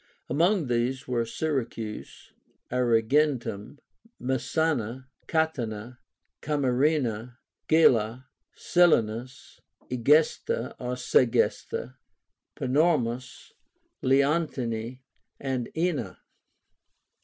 Among these were Syracuse, Agrigentum, Messána, Catana, Camarína, Gela, Selínus, Egesta (or Segesta), Panormus, Leontíni, and Enna.